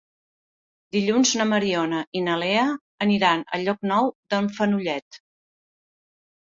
Dilluns na Mariona i na Lea aniran a Llocnou d'en Fenollet.